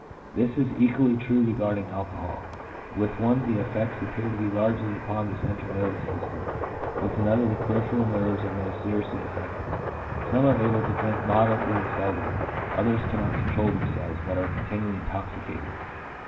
This is equally true regarding alcohol ; with one the effects appear to be largely upon the central nervous system, with another the peripheral nerves are most seriously affected ; some are able to drink moderately and seldom, others cannot control themselves, but are continually intoxicated.